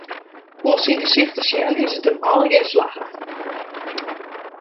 Oan syn gesicht te sjen, is it him allegear slagge.